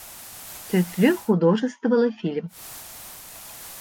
Төҫлө художестволы фильм